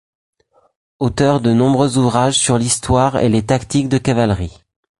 Auteur de nombreux ouvrages sur l'histoire et les tactiques de cavalerie.